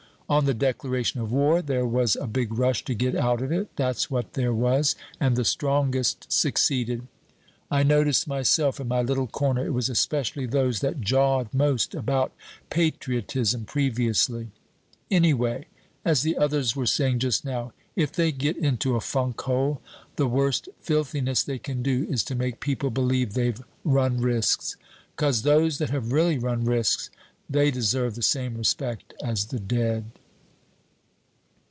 On the declaration of war, there was a big rush to get out of it, that's what there was, and the strongest succeeded. I noticed myself, in my little corner, it was especially those that jawed most about patriotism previously. Anyway, as the others were saying just now, if they get into a funk hole, the worst filthiness they can do is to make people believe they've run risks. 'Cos those that have really run risks, they deserve the same respect as the dead."